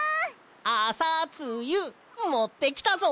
あさつゆもってきたぞ！